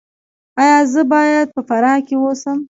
ایا زه باید په فراه کې اوسم؟